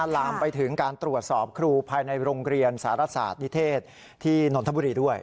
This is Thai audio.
ลามไปถึงการตรวจสอบครูภายในโรงเรียนสารศาสตร์นิเทศที่นนทบุรีด้วย